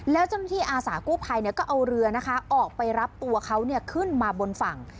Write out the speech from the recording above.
แล้วจนที่อาสากุภัยก็เอาเรือออกไปรับตัวเขาขึ้นมาบนฝั่ง